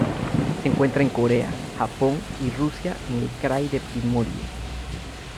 Se encuentra en Corea, Japón y Rusia en el Krai de Primorie.